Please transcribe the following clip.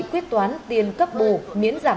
quyết toán tiền cấp bù miễn giảm